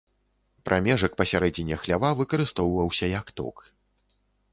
Прамежак пасярэдзіне хлява выкарыстоўваўся як ток.